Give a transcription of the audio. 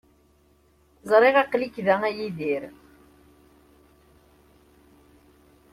Ẓriɣ aql-ik da, a Yidir.